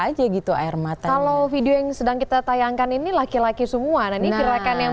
aja gitu air mata kalau video yang sedang kita tayangkan ini laki laki semua ini gerakan yang